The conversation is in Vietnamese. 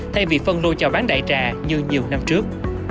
thay vì phân lô cho bán đại trà như nhiều năm trước